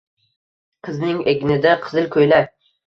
Qizning egnida qizil ko`ylak